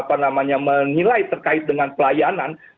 apa namanya menilai terkait dengan pelayanan